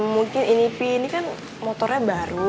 mungkin ini p ini kan motornya baru